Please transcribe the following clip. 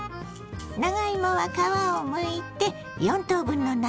長芋は皮をむいて４等分の長さに。